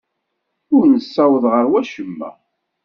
Ur nessaweḍ ɣer wacemma.